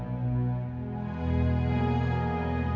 gak seperti kak fadil yang dulu